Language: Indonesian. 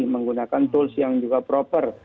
menggunakan tools yang juga proper